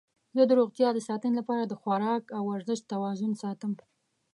زه د روغتیا د ساتنې لپاره د خواراک او ورزش توازن ساتم.